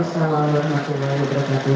wa'alaikumsalam warahmatullahi wabarakatuh